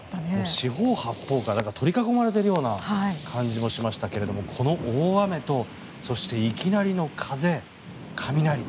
四方八方から取り囲まれているような感じもしましたがこの大雨とそして、いきなりの風、雷。